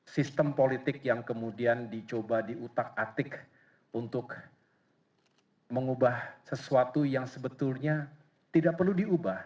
sistem politik yang kemudian dicoba diutak atik untuk mengubah sesuatu yang sebetulnya tidak perlu diubah